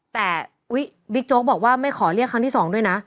แต่บิ๊กโจ๊กบอกว่าไม่ขอเรียกครั้งที่๒ด้วยนะ